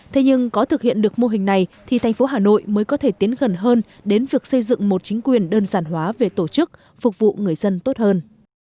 thế nhưng có thực hiện được mô hình này thì thành phố hà nội mới có thể tiến gần hơn đến việc xây dựng một chính quyền đơn giản hóa về tổ chức phục vụ người dân tốt hơn